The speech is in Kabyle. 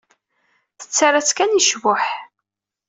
Tettarra-tt kan i ccbuḥ.